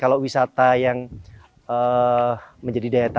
jadi aku bisa membahas banyak food di wilayah tengah